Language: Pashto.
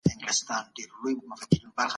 استازي د هېواد د راتلونکي په اړه خبرې کوي.